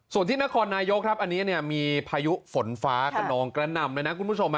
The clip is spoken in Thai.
ส่วนที่นครนายกอันนี้มีพายุฝนฟ้ากะนองกระนำ